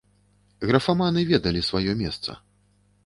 Графаманы ведалі сваё месца.